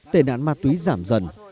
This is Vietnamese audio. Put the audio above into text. tệ nạn ma túy giảm dần